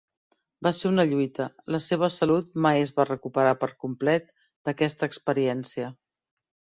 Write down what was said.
Va ser una lluita; la seva salut mai es va recuperar per complet d'aquesta experiència.